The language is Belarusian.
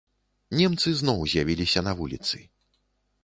Немцы зноў з'явіліся на вуліцы.